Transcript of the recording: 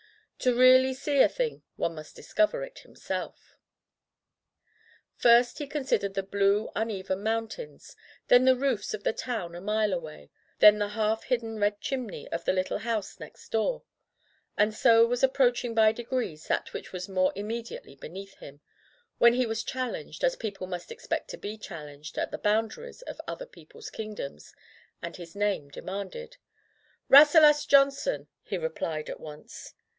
To really see a thing one must discover it himself. First he considered the blue, uneven mountains, then the roofs of the town a mile away, then the half hidden red chimney of the little house next door; and so was ap proaching by degrees that which was more immediately beneath him, when he was chal lenged, as people must expect to be chal lenged at the boundaries of other people's kingdoms, and his name demanded. ^'Rasselas Johnson,*' he replied at once.